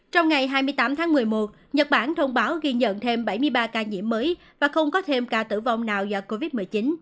trong ngày hai mươi tám tháng một mươi một nhật bản thông báo ghi nhận thêm bảy mươi ba ca nhiễm mới và không có thêm ca tử vong nào do covid một mươi chín